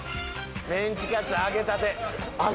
メンチカツ揚げたて。